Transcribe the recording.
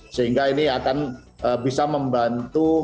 sehingga ini akan bisa membantu